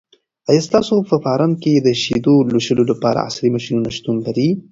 آیا ستاسو په فارم کې د شیدو لوشلو لپاره عصري ماشینونه شتون لري؟